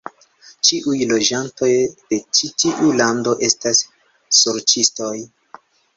Ĉiuj loĝantoj de ĉi tiu lando estas sorĉistoj.